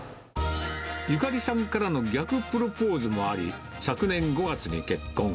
ゆかりさんからの逆プロポーズもあり、昨年５月に結婚。